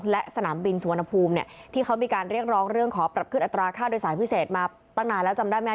และสนามบินสุวรรณภูมิเนี่ยที่เขามีการเรียกร้องเรื่องขอปรับขึ้นอัตราค่าโดยสารพิเศษมาตั้งนานแล้วจำได้ไหม